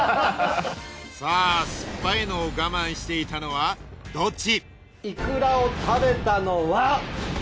さあ酸っぱいのを我慢していたのはどっち？